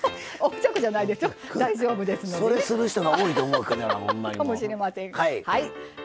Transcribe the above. それする人が多いと思うけど。